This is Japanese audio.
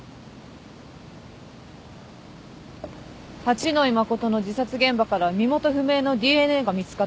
八野衣真の自殺現場からは身元不明のＤＮＡが見つかっています。